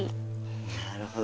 なるほど。